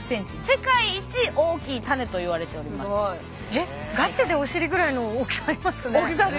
えっガチでお尻ぐらいの大きさありますね。